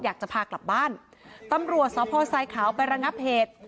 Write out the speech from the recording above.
อยากจะพากลับบ้านตำรวจสพทรายขาวไประงับเหตุ